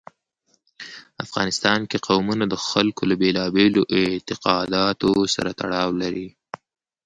افغانستان کې قومونه د خلکو له بېلابېلو اعتقاداتو سره تړاو لري.